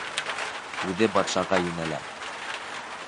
Үҙе батшаға йүнәлә.